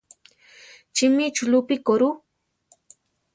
Chimi chulúpi koru?